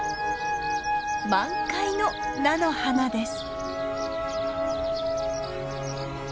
満開の菜の花です。